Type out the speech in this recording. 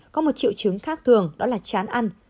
có một triệu chứng khác thường đó là chán ăn